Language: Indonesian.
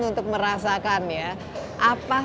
untuk merasakan ya apa